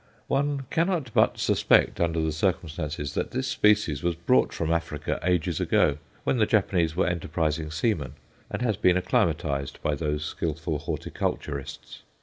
One cannot but suspect, under the circumstances, that this species was brought from Africa ages ago, when the Japanese were enterprising seamen, and has been acclimatized by those skilful horticulturists.